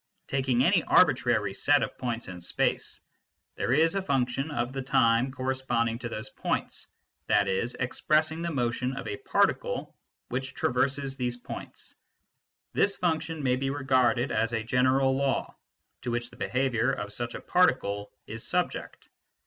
Taking any arbitrary set .^ of points in space, there is a function of the time corre \j. ^ sponding to these points, i.e. expressing the motion of a particle which traverses these points : this function may; be regarded as a general law to which the behaviour of such a particle is subject.